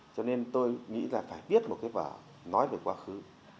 cho nên tôi nghĩ là phải biết một cái vở nói về quá khứ